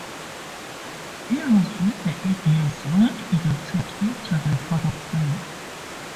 He was with the Indians when inducted into the Hall of Fame.